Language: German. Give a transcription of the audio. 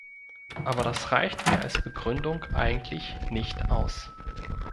Aber das reicht mir als Begründung eigentlich nicht aus.